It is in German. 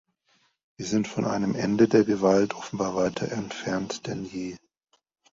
Wir sind von einem Ende der Gewalt offenbar weiter entfernt denn je.